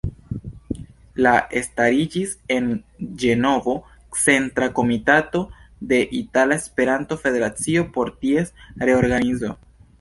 La stariĝis en Ĝenovo Centra Komitato de Itala Esperanto-Federacio por ties reorganizo.